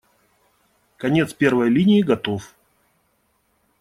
Конец первой линии готов.